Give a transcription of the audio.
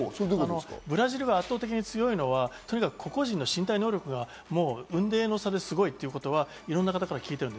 ブラジルが圧倒的に強いのはとにかく個々人の身体能力が雲泥の差ですごいってことはいろんな方から聞いている。